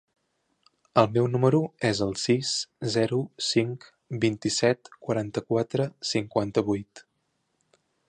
El meu número es el sis, zero, cinc, vint-i-set, quaranta-quatre, cinquanta-vuit.